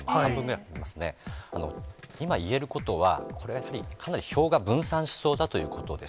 今いえることは、これはやはり、かなり票が分散しそうだということです。